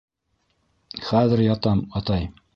— Хәҙер ятам, атай.